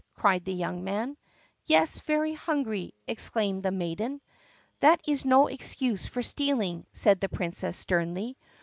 cried the young man. "Yes, very hungry!" exclaimed the maiden. "That is no excuse for stealing!" said the Princess sternly.